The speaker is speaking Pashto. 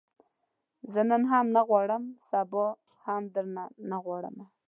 زه نن هم نه غواړم، سبا هم درنه نه غواړمه